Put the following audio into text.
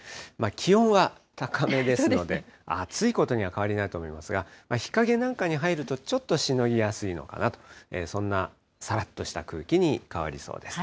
気温は高めですので、暑いことには変わりないと思いますが、日陰なんかに入ると、ちょっとしのぎやすいのかなと、そんなさらっとした空気に変わりそうです。